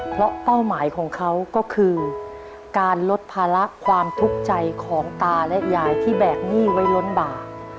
เพราะเป้าหมายของเขาก็คือการลดภาระความทุกข์ใจของตาและยายที่แบกหนี้ไว้ล้นบาป